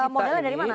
modalnya dari mana